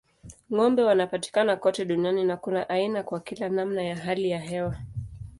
Ng'ombe wanapatikana kote duniani na kuna aina kwa kila namna ya hali ya hewa.